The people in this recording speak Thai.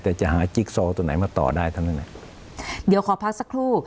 แต่จะหาจิ๊กซอตัวไหนมาต่อได้เท่านั้นแหละเดี๋ยวขอพักสักครู่